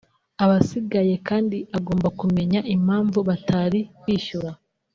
Abasigaye kandi agomba kumenya impamvu batari bishyura